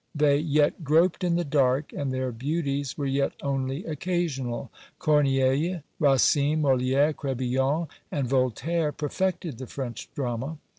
They yet groped in the dark, and their beauties were yet only occasional; Corneille, Racine, MoliÃẀre, Crebillon, and Voltaire perfected the French drama.